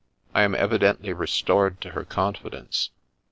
I am evidently restored to her confidence.